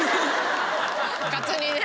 カツ煮ね。